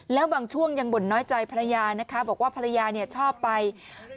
แล้วบางช่วงยังบ่นน้อยใจภรรยานะคะบอกว่าภรรยาเนี่ยชอบไป